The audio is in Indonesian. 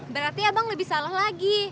berarti abang lebih salah lagi